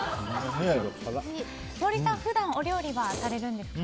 森さん、普段お料理はされるんですか？